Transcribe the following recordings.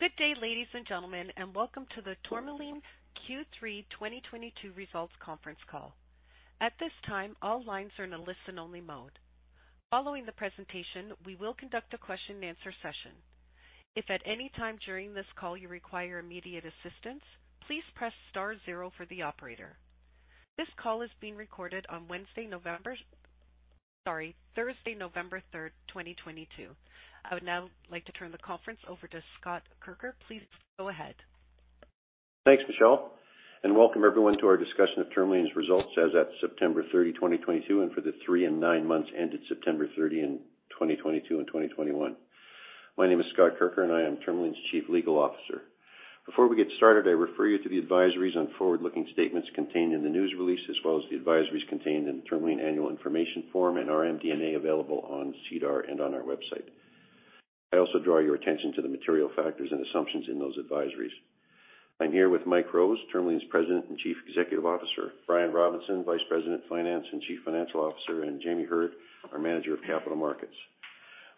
Good day, ladies and gentlemen, and welcome to the Tourmaline's Q3 2022 Results Conference Call. At this time, all lines are in a listen-only mode. Following the presentation, we will conduct a question-and-answer session. If at any time during this call you require immediate assistance, please press star zero for the operator. This call is being recorded on Thursday, November 3rd, 2022. I would now like to turn the conference over to Scott Kirker. Please go ahead. Thanks, Michelle, and welcome everyone to our discussion of Tourmaline's results as at September 30, 2022, and for the three and nine months ended September 30 in 2022 and 2021. My name is Scott Kirker, and I am Tourmaline's Chief Legal Officer. Before we get started, I refer you to the advisories on forward-looking statements contained in the news release as well as the advisories contained in Tourmaline annual information form and our MD&A available on SEDAR and on our website. I also draw your attention to the material factors and assumptions in those advisories. I'm here with Mike Rose, Tourmaline's President and Chief Executive Officer, Brian Robinson, Vice President of Finance and Chief Financial Officer, and Jamie Heard, our Manager of Capital Markets.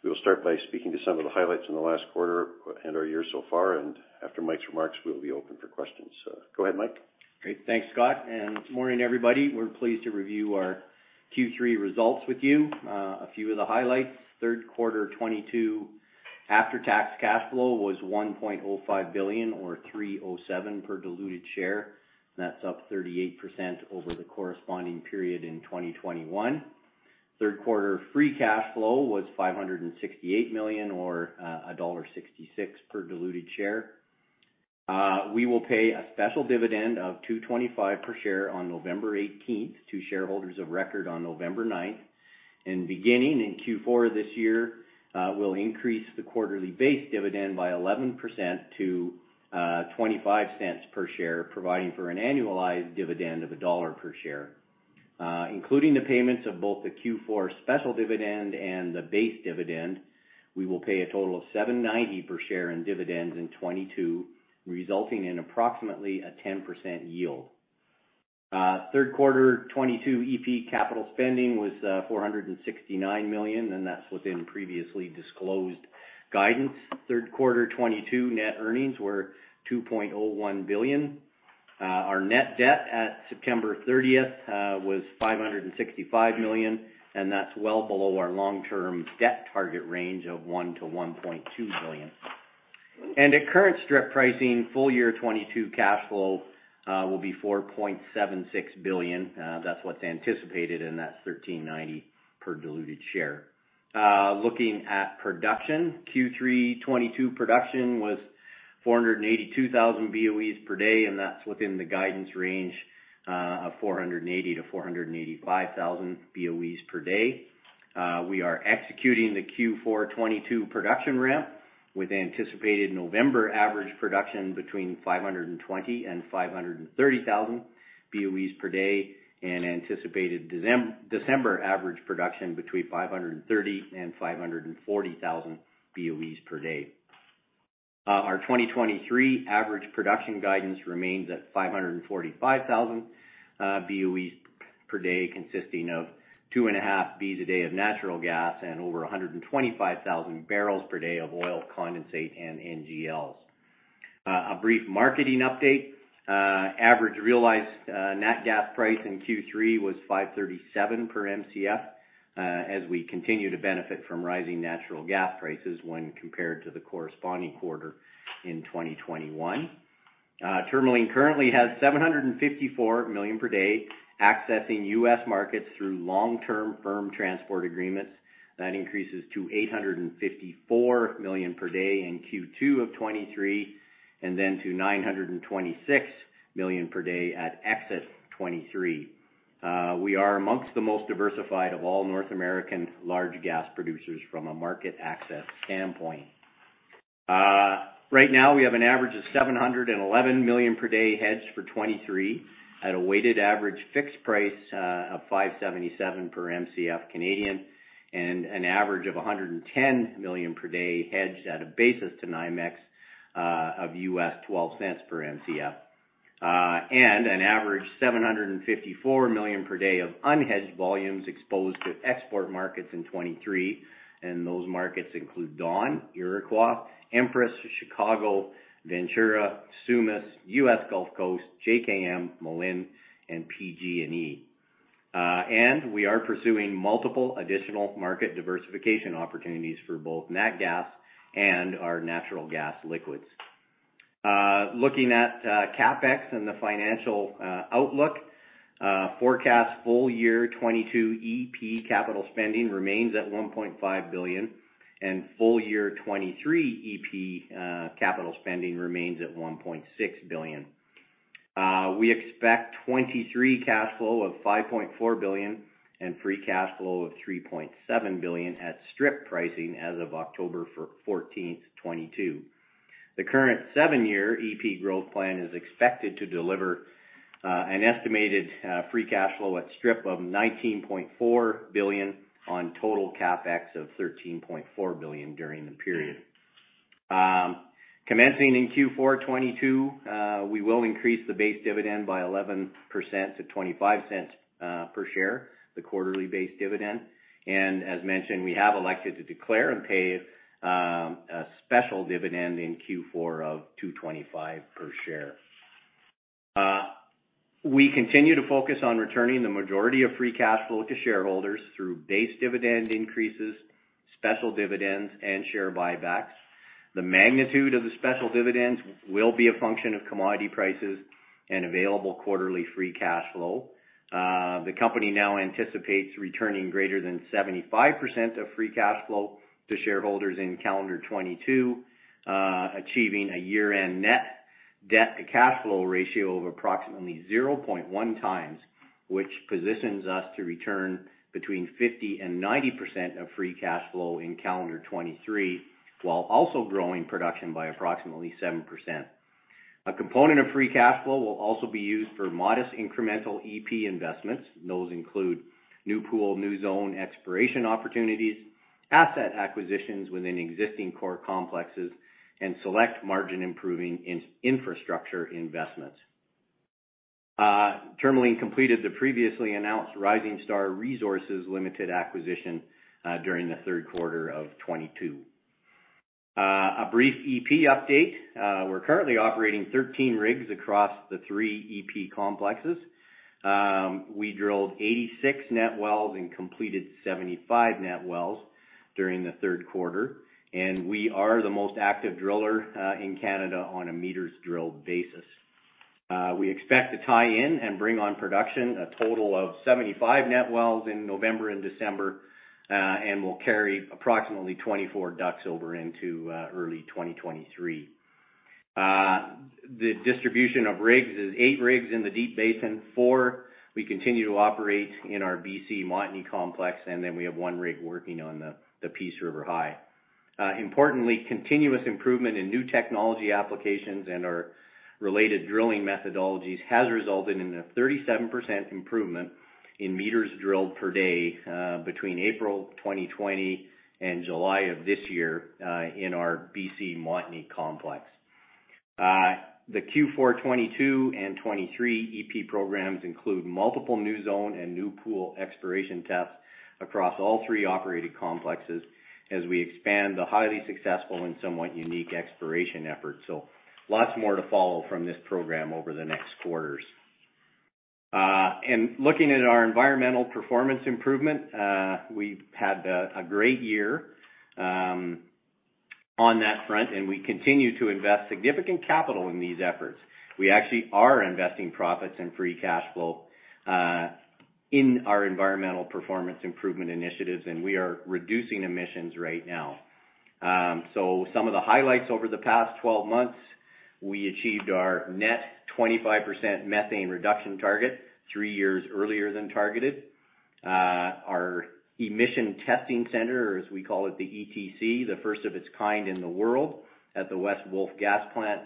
We will start by speaking to some of the highlights in the last quarter and our year so far, and after Mike's remarks, we will be open for questions. Go ahead, Mike. Great. Thanks, Scott, and good morning, everybody. We're pleased to review our Q3 results with you. A few of the highlights. Third quarter 2022 after-tax cash flow was 1.05 billion or 3.07 per diluted share. That's up 38% over the corresponding period in 2021. Third quarter free cash flow was 568 million or dollar 1.66 per diluted share. We will pay a special dividend of 2.25 per share on November 18 to shareholders of record on November 9. Beginning in Q4 this year, we'll increase the quarterly base dividend by 11% to 0.25 per share, providing for an annualized dividend of CAD 1 per share. Including the payments of both the Q4 special dividend and the base dividend, we will pay a total of 7.90 per share in dividends in 2022, resulting in approximately a 10% yield. Third Quarter 2022 E&P capital spending was 469 million, and that's within previously disclosed guidance. Third Quarter 2022 net earnings were 2.01 billion. Our net debt at September 30 was 565 million, and that's well below our long-term debt target range of 1 billion-1.2 billion. At current strip pricing, full-year 2022 cash flow will be 4.76 billion. That's what's anticipated, and that's 13.90 per diluted share. Looking at production. Q3 2022 production was 482,000 BOE/d, and that's within the guidance range of 480,000 BOE/d-485,000 BOE/d. We are executing the Q4 2022 production ramp with anticipated November average production between 520,000 BOE/d and 530,000 BOE/d and anticipated December average production between 530,000 BOE/d and 540,000 BOE/d. Our 2023 average production guidance remains at 545,000 BOE/d, consisting of 2.5 Bcf/d of natural gas and over 125,000 bpd of oil condensate and NGLs. A brief marketing update. Average realized natural gas price in Q3 was 5.37/Mcf, as we continue to benefit from rising natural gas prices when compared to the corresponding quarter in 2021. Tourmaline currently has 754 MMcf/d accessing U.S. markets through long-term firm transport agreements. That increases to 854 MMcf/d in Q2 of 2023 and then to 926 MMcf/d in 2024. We are among the most diversified of all North American large gas producers from a market access standpoint. Right now, we have an average of 711 MMcf/d hedged for 2023 at a weighted average fixed price of 5.77 per Mcf Canadian and an average of 110 MMcf/d hedged at a basis to NYMEX of $0.12 per Mcf. An average 754 MMcf/d of unhedged volumes exposed to export markets in 2023, and those markets include Dawn, Iroquois, Empress, Chicago, Ventura, Sumas, US Gulf Coast, JKM, Malin, and PG&E. We are pursuing multiple additional market diversification opportunities for both natural gas and our natural gas liquids. Looking at CapEx and the financial outlook. Forecast full year 2022 EP capital spending remains at 1.5 billion, and full year 2023 EP capital spending remains at 1.6 billion. We expect 2023 cash flow of 5.4 billion and free cash flow of 3.7 billion at strip pricing as of October 14, 2022. The current seven-year EP growth plan is expected to deliver an estimated free cash flow at strip of 19.4 billion on total CapEx of 13.4 billion during the period. Commencing in Q4 2022, we will increase the base dividend by 11% to 0.25 per share, the quarterly base dividend. As mentioned, we have elected to declare and pay a special dividend in Q4 of 2.25 per share. We continue to focus on returning the majority of free cash flow to shareholders through base dividend increases, special dividends, and share buybacks. The magnitude of the special dividends will be a function of commodity prices and available quarterly free cash flow. The company now anticipates returning greater than 75% of free cash flow to shareholders in calendar 2022, achieving a year-end net debt to cash flow ratio of approximately 0.1x, which positions us to return between 50% and 90% of free cash flow in calendar 2023, while also growing production by approximately 7%. A component of free cash flow will also be used for modest incremental EP investments. Those include new pool, new zone exploration opportunities, asset acquisitions within existing core complexes, and select margin improving infrastructure investments. Tourmaline completed the previously announced Rising Star Resources Limited acquisition during the third quarter of 2022. A brief EP update. We're currently operating 13 rigs across the three EP complexes. We drilled 86 net wells and completed 75 net wells during the third quarter, and we are the most active driller in Canada on a meters drilled basis. We expect to tie in and bring on production a total of 75 net wells in November and December, and we'll carry approximately 24 DUCs over into early 2023. The distribution of rigs is eigth rigs in the Deep Basin, four, we continue to operate in our BC Montney complex, and then we have one rig working on the Peace River High. Importantly, continuous improvement in new technology applications and our related drilling methodologies has resulted in a 37% improvement in meters drilled per day between April 2020 and July of this year in our BC Montney complex. The Q4 2022 and 2023 EP programs include multiple new zone and new pool exploration tests across all three operated complexes as we expand the highly successful and somewhat unique exploration efforts. Lots more to follow from this program over the next quarters. Looking at our environmental performance improvement, we've had a great year on that front, and we continue to invest significant capital in these efforts. We actually are investing profits and Free Cash Flow in our environmental performance improvement initiatives, and we are reducing emissions right now. Some of the highlights over the past 12 months. We achieved our net 25% methane reduction target three years earlier than targeted. Our Emission Testing Center, or as we call it, the ETC, the first of its kind in the world at the West Wolf Gas Plant,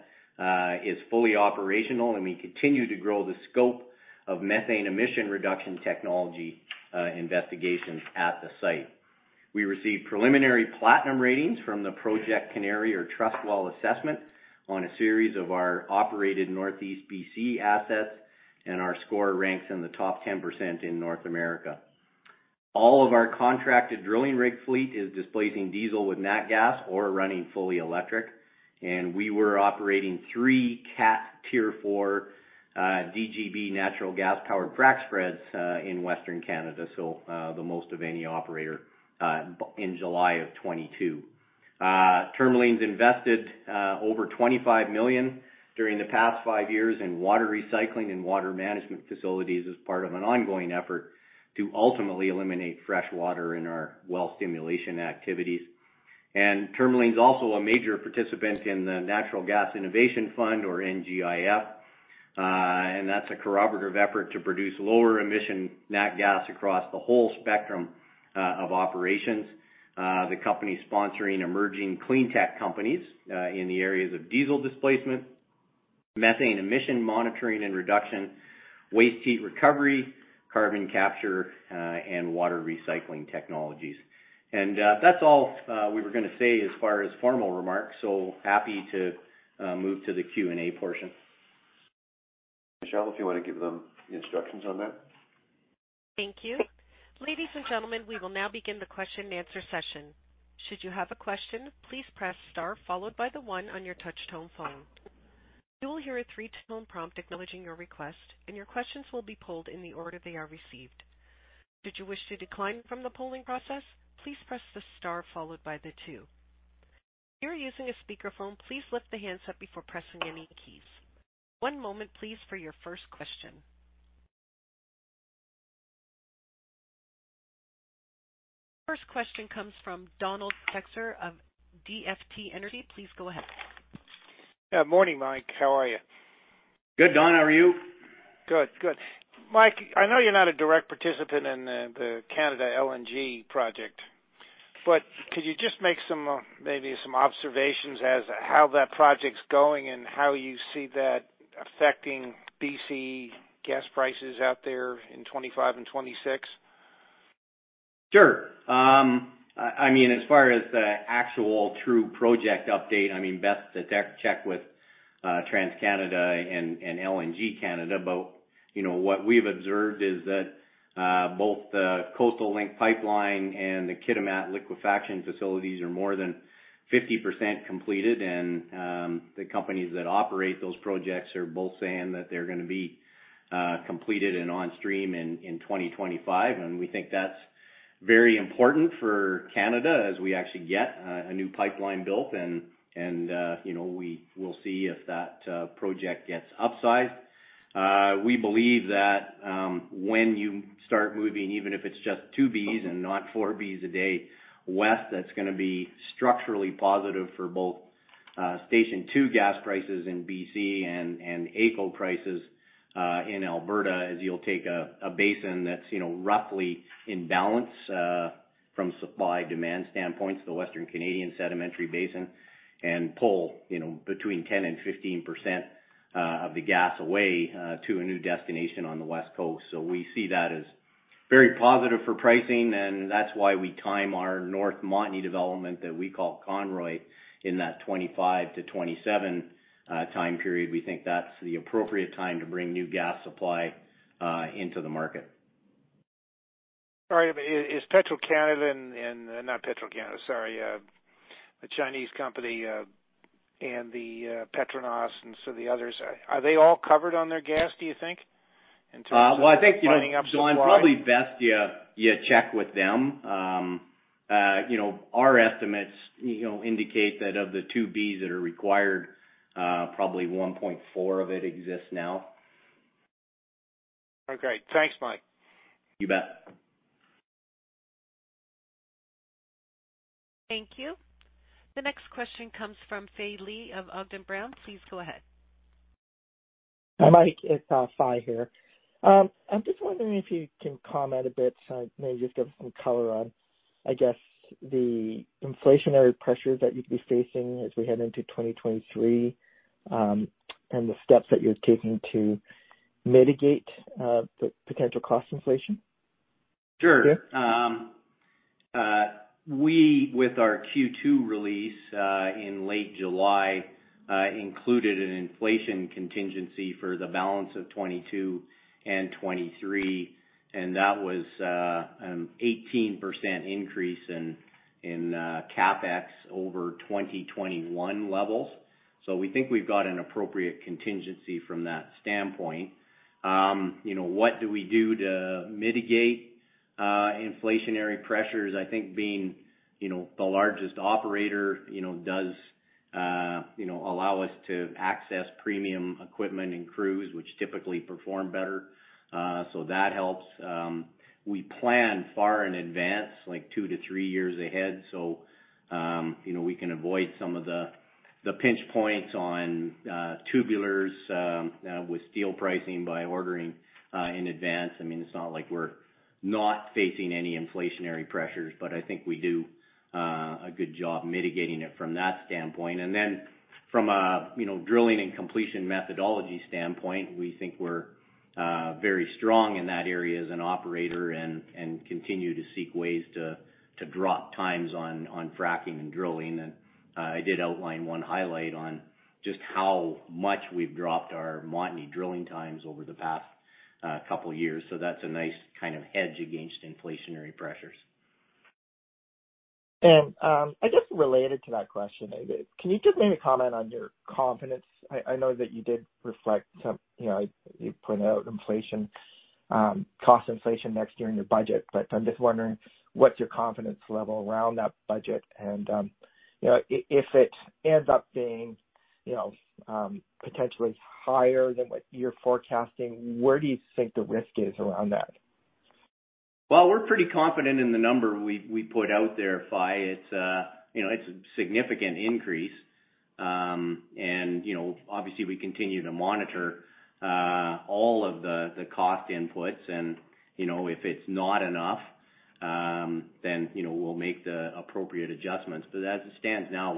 is fully operational, and we continue to grow the scope of methane emission reduction technology investigations at the site. We received preliminary platinum ratings from the Project Canary or TrustWell assessment on a series of our operated Northeast BC assets, and our score ranks in the top 10% in North America. All of our contracted drilling rig fleet is displacing diesel with nat gas or running fully electric, and we were operating three Cat Tier 4 DGB natural gas-powered frac spreads in Western Canada, so the most of any operator in July of 2022. Tourmaline's invested over 25 million during the past five years in water recycling and water management facilities as part of an ongoing effort to ultimately eliminate fresh water in our well stimulation activities. Tourmaline is also a major participant in the Natural Gas Innovation Fund or NGIF. That's a collaborative effort to produce lower emission nat gas across the whole spectrum of operations. The company is sponsoring emerging clean tech companies in the areas of diesel displacement, methane emission monitoring and reduction, waste heat recovery, carbon capture, and water recycling technologies. That's all we were gonna say as far as formal remarks, so happy to move to the Q&A portion. Michelle, if you wanna give them the instructions on that. Thank you. Ladies and gentlemen, we will now begin the question and answer session. Should you have a question, please press star followed by the one on your touch tone phone. You will hear a three-tone prompt acknowledging your request, and your questions will be polled in the order they are received. Should you wish to decline from the polling process, please press the star followed by the two. If you are using a speakerphone, please lift the handset before pressing any keys. One moment please for your first question. First question comes from Donald Textor of DFT Energy. Please go ahead. Yeah. Morning, Mike. How are you? Good, Don. How are you? Mike, I know you're not a direct participant in the LNG Canada project, but could you just make some maybe some observations on how that project's going and how you see that affecting BC gas prices out there in 2025 and 2026? Sure. I mean, as far as the actual true project update, I mean, best to check with TransCanada and LNG Canada. You know, what we've observed is that both the Coastal GasLink pipeline and the Kitimat liquefaction facilities are more than 50% completed. The companies that operate those projects are both saying that they're gonna be completed and on stream in 2025. We think that's very important for Canada as we actually get a new pipeline built and, you know, we will see if that project gets upsized. We believe that, when you start moving, even if it's just 2 Bcf and not 4 Bcf a day west, that's gonna be structurally positive for both, Station 2 gas prices in BC and AECO prices in Alberta, as you'll take a basin that's, you know, roughly in balance from supply-demand standpoint, Western Canadian Sedimentary Basin, and pull, you know, between 10% and 15% of the gas away to a new destination on the West Coast. We see that as very positive for pricing, and that's why we time our North Montney development that we call Conroy in that 2025 to 2027 time period. We think that's the appropriate time to bring new gas supply into the market. All right. Is the Chinese company and Petronas and some of the others all covered on their gas, do you think, in terms of? Well, I think, you know. Tying up supply? Probably best you check with them. You know, our estimates, you know, indicate that of the 2 Bcf that are required, probably 1.4 Bcf of it exists now. Okay. Thanks, Mike. You bet. Thank you. The next question comes from Fai Lee of Odlum Brown. Please go ahead. Hi, Mike. It's Fai here. I'm just wondering if you can comment a bit, maybe just give some color on, I guess the inflationary pressures that you could be facing as we head into 2023, and the steps that you're taking to mitigate the potential cost inflation. Sure. Okay. We, with our Q2 release in late July, included an inflation contingency for the balance of 2022 and 2023, and that was 18% increase in CapEx over 2021 levels. We think we've got an appropriate contingency from that standpoint. You know, what do we do to mitigate inflationary pressures? I think being you know the largest operator you know does you know allow us to access premium equipment and crews which typically perform better. That helps. We plan far in advance, like two to three years ahead, so you know we can avoid some of the pinch points on tubulars with steel pricing by ordering in advance. I mean, it's not like we're not facing any inflationary pressures, but I think we do a good job mitigating it from that standpoint. Then from a, you know, drilling and completion methodology standpoint, we think we're very strong in that area as an operator and continue to seek ways to drop times on fracking and drilling. I did outline one highlight on just how much we've dropped our Montney drilling times over the past couple years. That's a nice kind of hedge against inflationary pressures. I guess related to that question, can you just maybe comment on your confidence? I know that you did reflect some. You know, you point out inflation, cost inflation next year in your budget, but I'm just wondering what's your confidence level around that budget. You know, if it ends up being, you know, potentially higher than what you're forecasting, where do you think the risk is around that? Well, we're pretty confident in the number we put out there, Fai. It's, you know, it's a significant increase. You know, obviously we continue to monitor all of the cost inputs and, you know, if it's not enough, then we'll make the appropriate adjustments. As it stands now,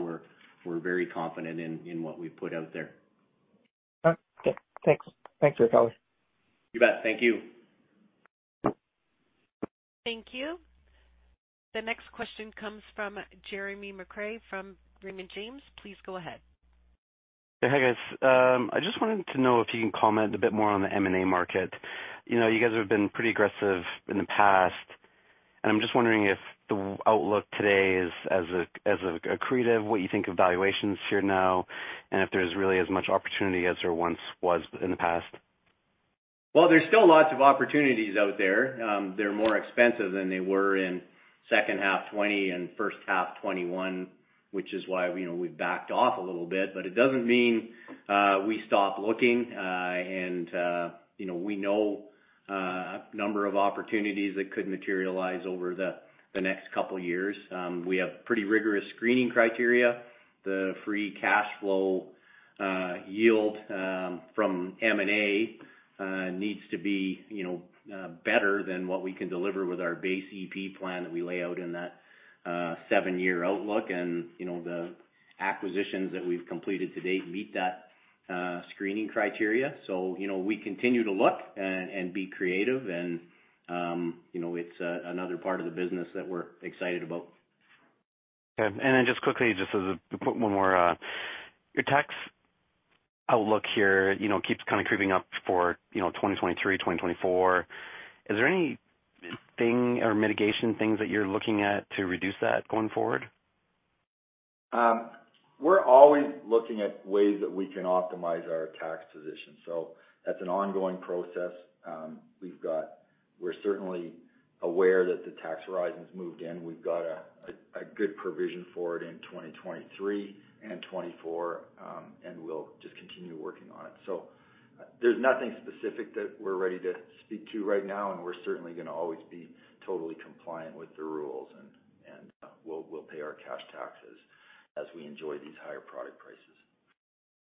we're very confident in what we've put out there. Okay. Thanks. Thanks for your time. You bet. Thank you. Thank you. The next question comes from Jeremy McCrea from Raymond James. Please go ahead. Hey. Hi, guys. I just wanted to know if you can comment a bit more on the M&A market. You know, you guys have been pretty aggressive in the past, and I'm just wondering if the outlook today is as aggressive, what you think of valuations here now, and if there's really as much opportunity as there once was in the past. Well, there's still lots of opportunities out there. They're more expensive than they were in second half 2020 and first half 2021, which is why, you know, we've backed off a little bit. It doesn't mean we stop looking, and, you know, we know a number of opportunities that could materialize over the next couple years. We have pretty rigorous screening criteria. The free cash flow yield from M&A needs to be, you know, better than what we can deliver with our base E&P plan that we lay out seven-year outlook and, you know, the acquisitions that we've completed to date meet that screening criteria. You know, we continue to look and be creative and, you know, it's another part of the business that we're excited about. Okay. Just quickly, just as a quick one more, your tax outlook here, you know, keeps kind of creeping up for, you know, 2023, 2024. Is there anything or mitigation things that you're looking at to reduce that going forward? We're always looking at ways that we can optimize our tax position. That's an ongoing process. We're certainly aware that the tax horizon's moved in. We've got a good provision for it in 2023 and 2024, and we'll just continue working on it. There's nothing specific that we're ready to speak to right now, and we're certainly gonna always be totally compliant with the rules, and we'll pay our cash taxes as we enjoy these higher product prices.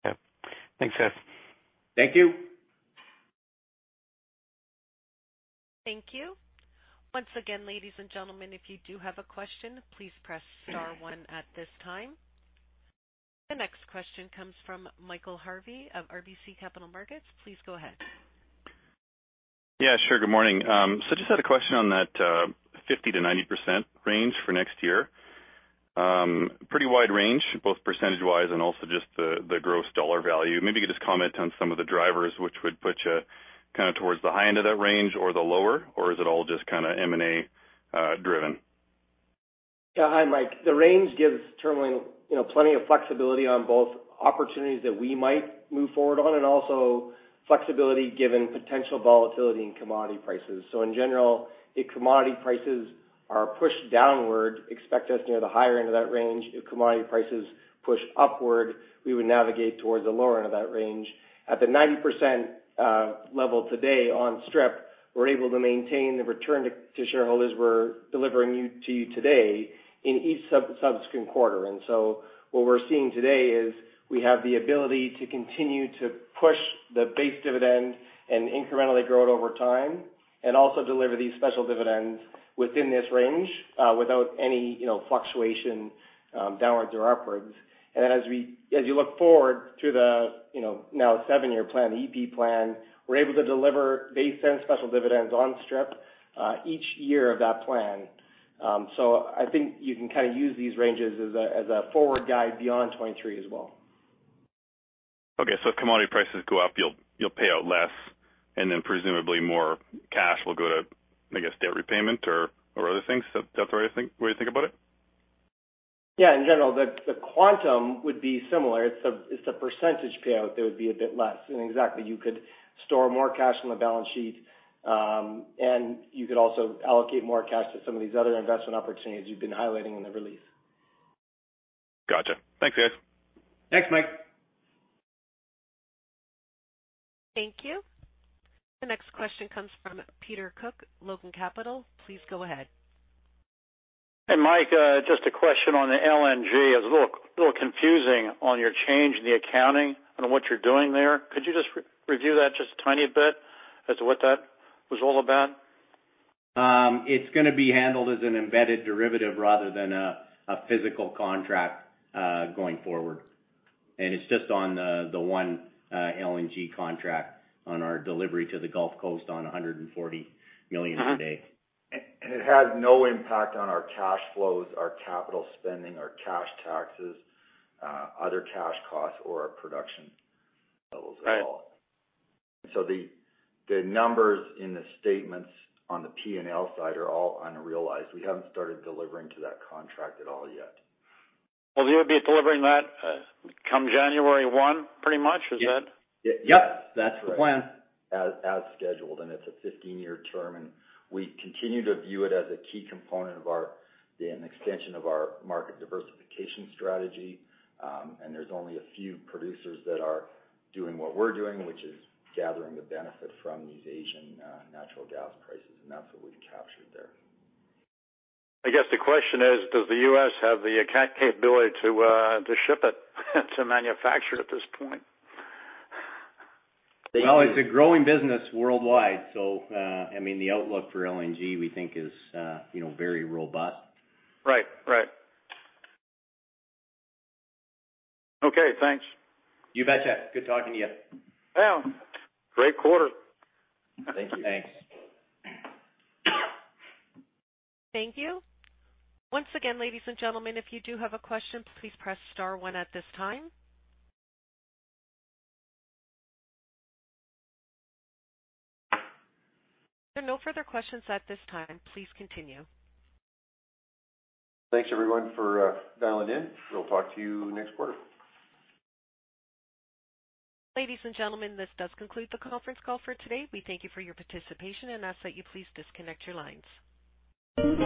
Okay. Thanks, Scott. Thank you. Thank you. Once again, ladies and gentlemen, if you do have a question, please press star one at this time. The next question comes from Michael Harvey of RBC Capital Markets. Please go ahead. Yeah, sure. Good morning. Just had a question on that 50%-90% range for next year. Pretty wide range, both percentage-wise and also just the gross dollar value. Maybe you could just comment on some of the drivers which would put you kinda towards the high end of that range or the lower, or is it all just kinda M&A driven? Hi, Mike. The range gives Tourmaline, you know, plenty of flexibility on both opportunities that we might move forward on and also flexibility given potential volatility in commodity prices. In general, if commodity prices are pushed downward, expect us near the higher end of that range. If commodity prices push upward, we would navigate towards the lower end of that range. At the 90% level today on strip, we're able to maintain the return to shareholders we're delivering to you today in each subsequent quarter. What we're seeing today is we have the ability to continue to push the base dividend and incrementally grow it over time and also deliver these special dividends within this range, without any, you know, fluctuation downwards or upwards. As you look forward to the, you know, now seven-year plan, the E&P plan, we're able to deliver base and special dividends on strip each year of that plan. I think you can kinda use these ranges as a forward guide beyond 2023 as well. Okay. If commodity prices go up, you'll pay out less, and then presumably more cash will go to, I guess, debt repayment or other things. Is that the right way to think about it? Yeah. In general, the quantum would be similar. It's the percentage payout that would be a bit less. Exactly, you could store more cash on the balance sheet, and you could also allocate more cash to some of these other investment opportunities you've been highlighting in the release. Gotcha. Thanks, guys. Thanks, Mike. Thank you. The next question comes from Peter Cooke, Logan Capital. Please go ahead. Hey, Mike, just a question on the LNG. It's a little confusing on your change in the accounting on what you're doing there. Could you just re-review that just a tiny bit as to what that was all about? It's gonna be handled as an embedded derivative rather than a physical contract going forward. It's just on the one LNG contract on our delivery to the Gulf Coast on 140 MMcf/d. It has no impact on our cash flows, our capital spending, our cash taxes, other cash costs or our production levels at all. Right. The numbers in the statements on the P&L side are all unrealized. We haven't started delivering to that contract at all yet. Well, you'll be delivering that come January 1, pretty much. Is that? Yep. Yes. That's the plan. As scheduled, and it's a 15-year term, and we continue to view it as a key component of an extension of our market diversification strategy. There's only a few producers that are doing what we're doing, which is gathering the benefit from these Asian natural gas prices, and that's what we've captured there. I guess the question is, does the U.S. have the capability to ship it, to manufacture it at this point? Well, it's a growing business worldwide, so, I mean, the outlook for LNG, we think is, you know, very robust. Right. Okay, thanks. You betcha. Good talking to you. Yeah. Great quarter. Thank you. Thanks. Thank you. Once again, ladies and gentlemen, if you do have a question, please press star one at this time. There are no further questions at this time. Please continue. Thanks, everyone, for dialing in. We'll talk to you next quarter. Ladies and gentlemen, this does conclude the conference call for today. We thank you for your participation and ask that you please disconnect your lines.